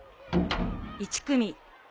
１組。